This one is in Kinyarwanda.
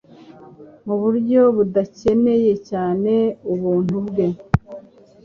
mu buryo tudakeneye cyane ubuntu bwe.